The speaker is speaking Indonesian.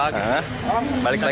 hah balik lagi